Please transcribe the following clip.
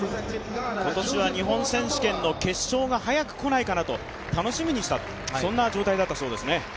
今年は日本選手権の決勝が早く来ないかなと楽しみでしたと、そんな状態だったそうですね。